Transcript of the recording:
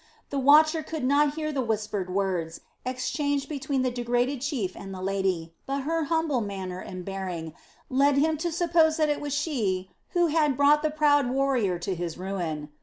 The watcher could not hear the whispered words exchanged between the degraded chief and the lady, but her humble manner and bearing led him to suppose that it was she who had brought the proud warrior to his ruin.